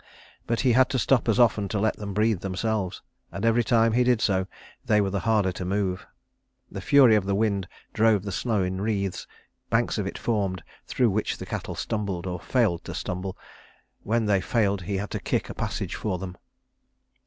But he had to stop as often to let them breathe themselves, and every time he did so they were the harder to move. The fury of the wind drove the snow in wreaths; banks of it formed, through which the cattle stumbled, or failed to stumble. When they failed he had to kick a passage for them.